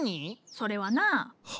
それはな。